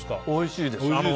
おいしいです。